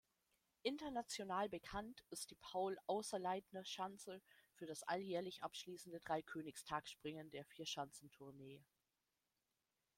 International bekannt ist die Paul-Außerleitner-Schanze für das alljährlich abschließende Dreikönigstag-Springen der Vierschanzentournee.